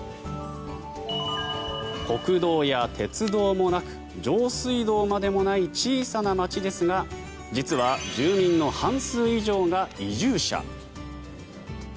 国道や鉄道もなく上水道までもない小さな町ですが実は住民の半数以上が移住者。